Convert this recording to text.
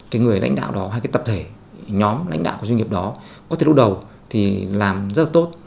cái người lãnh đạo đó hay cái tập thể nhóm lãnh đạo của doanh nghiệp đó có thể lúc đầu thì làm rất là tốt